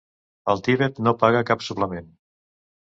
El Tibet no paga cap suplement.